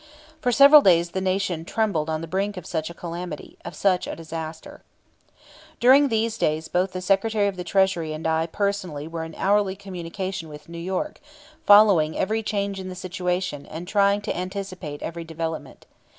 For several days the Nation trembled on the brink of such a calamity, of such a disaster. During these days both the Secretary of the Treasury and I personally were in hourly communication with New York, following every change in the situation, and trying to anticipate every development.